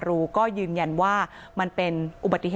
พระเจ้าอาวาสกันหน่อยนะครับ